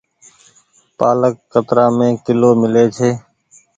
پآلڪ ڪترآ مي ڪلو ميلي ڇي۔